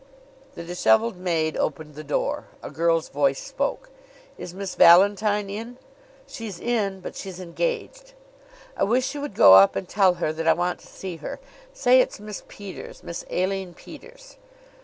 The disheveled maid opened the door. A girl's voice spoke: "Is Miss Valentine in?" "She's in; but she's engaged." "I wish you would go up and tell her that I want to see her. Say it's Miss Peters Miss Aline Peters."